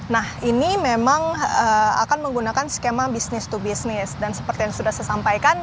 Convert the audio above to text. nah ini memang akan menggunakan skema bisnis to bisnis dan seperti yang sudah saya sampaikan